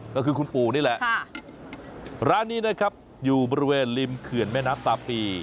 ก็คือคุณปู่นี่แหละร้านนี้นะครับอยู่บริเวณริมเขื่อนแม่น้ำตาปี